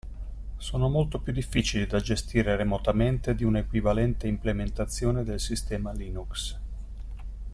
Sono molto più difficili da gestire remotamente di una equivalente implementazione del sistema Linux.